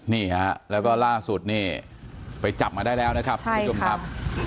นี่ฮะแล้วก็ล่าสุดนี่ไปจับมาได้แล้วนะครับทุกผู้ชมครับ